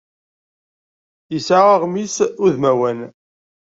Yesɛa aɣmis udmawan.